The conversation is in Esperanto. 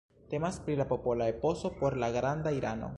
Temas pri la popola eposo por la Granda Irano.